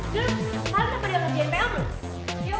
dulu kali lo ada lagi npl belum